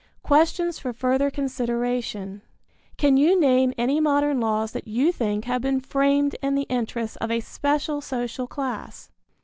Questions for Further Consideration. Can you name any modern laws that you think have been framed in the interests of a special social class?